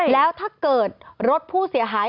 แล้วถ้าเกิดรถผู้เสียหาย